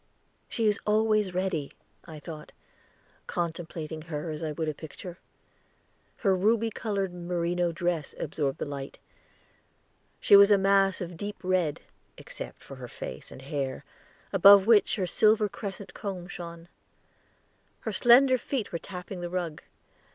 "She is always ready," I thought, contemplating her as I would a picture. Her ruby colored merino dress absorbed the light; she was a mass of deep red, except her face and hair, above which her silver crescent comb shone. Her slender feet were tapping the rug.